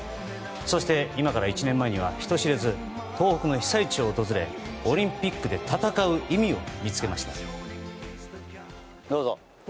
そして、今から１年前には人知れず東北の被災地を訪れオリンピックで戦う意味を見つけました。